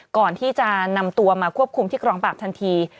ก่อนที่จะนำตัวมาควบคุมที่กองปราบทันที